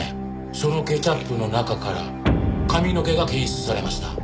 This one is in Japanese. そのケチャップの中から髪の毛が検出されました。